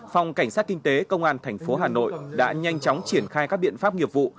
phòng cảnh sát kinh tế công an thành phố hà nội đã nhanh chóng triển khai các biện pháp nghiệp vụ